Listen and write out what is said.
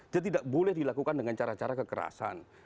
dia tidak boleh dilakukan dengan cara cara kekerasan